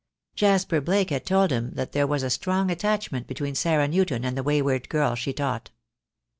Jasper Blake had told him that there was a strong attachment between Sarah Newton and the wayward girl she taught.